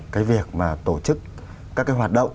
cái việc mà tổ chức các cái hoạt động